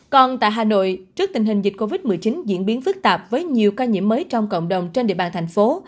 còn tại hà nội trước tình hình dịch covid một mươi chín diễn biến phức tạp với nhiều ca nhiễm mới trong cộng đồng trên địa bàn thành phố